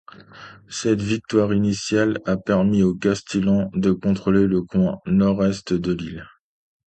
Cette victoire initiale a permis aux Castillans de contrôler le coin nord-est de l'île.